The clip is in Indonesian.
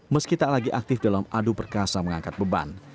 meski tak lagi aktif dalam adu perkasa mengangkat beban